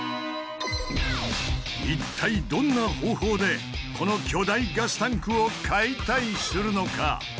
一体どんな方法でこの巨大ガスタンクを解体するのか？